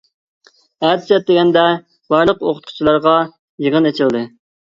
ئەتىسى ئەتىگەندە بارلىق ئوقۇتقۇچىلارغا يىغىن ئېچىلدى.